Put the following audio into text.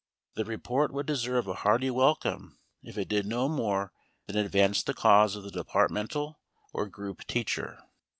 The report would deserve a hearty welcome if it did no more than advance the cause of the departmental or group teacher.